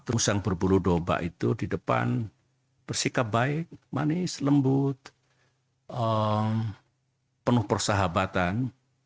terus yang berbulu domba itu di depan bersikap baik manis lembut penuh persahabatan